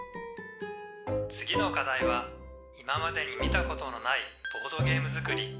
「次の課題は今までに見たことのないボードゲームづくり」。